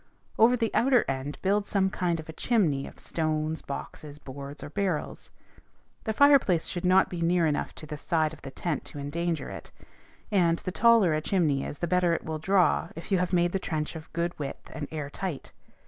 Over the outer end, build some kind of a chimney of stones, boxes, boards, or barrels. The fireplace should not be near enough to the side of the tent to endanger it; and, the taller the chimney is, the better it will draw if you have made the trench of good width and air tight.